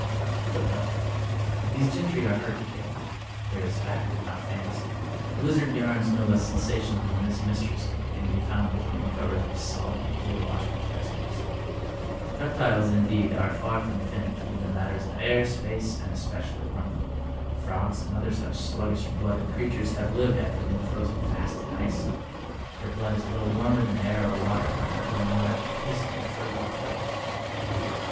FOOTNOTE "Those gentry are hard to kill." Here is fact, not fantasy. Lizard yams no less sensational than this Mystery Story can be found between the covers of solemn, zoological textbooks. Reptiles, indeed, are far from finicky in the matters of air, space, and esx>eciall7 warmth. Frogs and other such sluggish blooded creatures have lived after being frozen fast in ice. Their blood is little warmer than air or water, enjoying no extra casing of fur ot feathers.